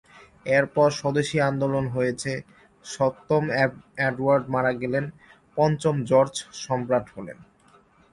এরপর স্বদেশী আন্দোলন হয়েছে, সপ্তম এডওয়ার্ড মারা গেলেন, পঞ্চম জর্জ সম্রাট হলেন।